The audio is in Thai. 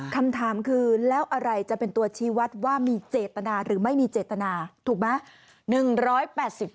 คำถามคือแล้วอะไรจะเป็นตัวชี้วัดว่ามีเจตนาหรือไม่มีเจตนาถูกไหม